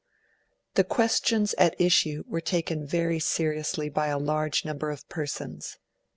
The questions at issue were taken very seriously by a large number of persons.